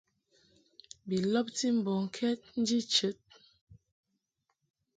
Bi lɔbti mbɔŋkɛd nji chəd.